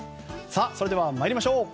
それでは参りましょう。